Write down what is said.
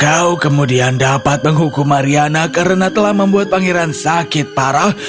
jauh kemudian dapat menghukum mariana karena telah membuat pangeran sakit parah